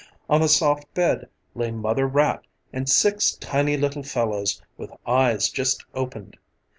On the soft bed lay mother rat and six tiny little fellows with eyes just opened.